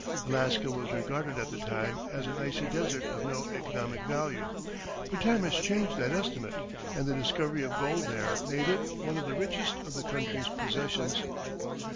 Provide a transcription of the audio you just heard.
Alaska was regarded at the time as an icy desert of no economic value, but time has changed that estimate, and the discovery of gold there made it one of the richest of the country's possessions.